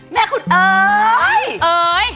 แม่คุณเอ๋ยเอ๋ย